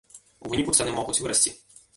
У выніку цэны могуць вырасці.